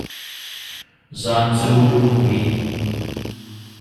Zaan cu a mui.